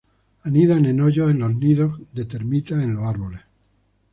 Anidan en hoyos en los nidos de termitas en los árboles.